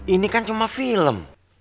ini kan cuma film